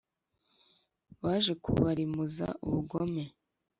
baje kubarimuza ubugome